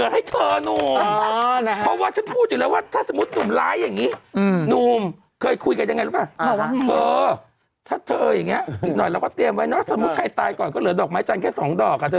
ให้สถิตอยู่ที่นั่นเลยจริง